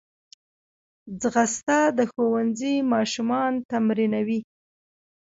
ځغاسته د ښوونځي ماشومان تمرینوي